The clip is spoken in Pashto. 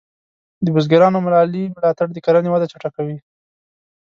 د بزګرانو مالي ملاتړ د کرنې وده چټکه کوي.